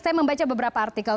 saya membaca beberapa artikel